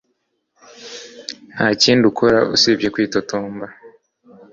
Nta kindi akora usibye kwitotomba